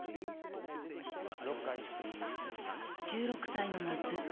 １６歳の夏